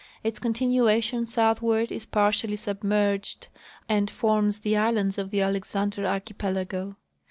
Its continuation southward is partially submerged and forms the islands of the Alexander archipelago.